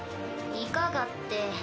いかがって。